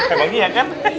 emang gitu ya kan